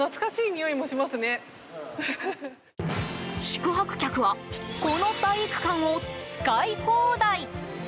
宿泊客はこの体育館を使い放題。